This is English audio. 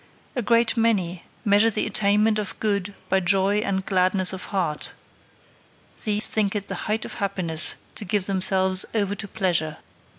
A great many measure the attainment of good by joy and gladness of heart; these think it the height of happiness to give themselves over to pleasure.